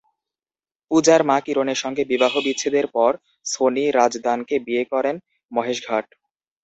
পূজার মা কিরণের সঙ্গে বিবাহবিচ্ছেদের পর সোনি রাজদানকে বিয়ে করেন মহেশ ভাট।